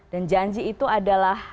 dan janji itu adalah